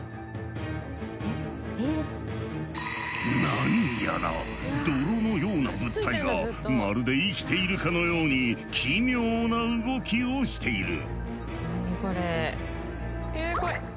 何やら泥のような物体がまるで生きているかのように奇妙な動きをしている。